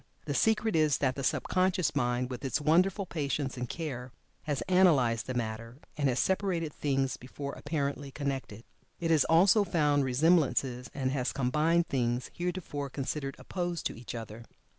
The secret is that the sub conscious mind with its wonderful patience and care has analyzed the matter, and has separated things before apparently connected. It has also found resemblances and has combined things heretofore considered opposed to each other.